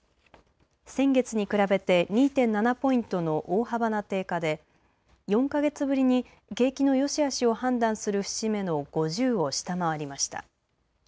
先月に比べて２．７ポイントの大幅な低下で４か月ぶりに景気のよしあしを判断する節目の５０を下回りました。